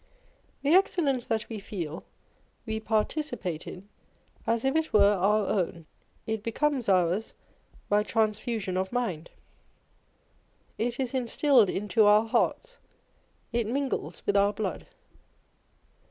The excellence that we feel, we participate in as if it were our own â€" it becomes ours by transfusion of mind â€" it is instilled into our hearts â€" it mingles with our blood.